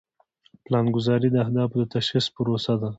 پلانګذاري د اهدافو د تشخیص پروسه ده.